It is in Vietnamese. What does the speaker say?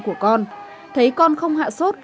của con thấy con không hạ sốt